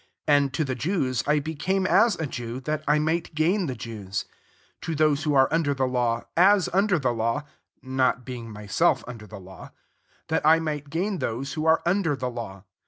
20 And to the Jews, I became as a Jew^ that I mi^t gain the Jews ; to those who are under the laWf as under (he law, (not being my* self under the law,) that I might gain those who are under the law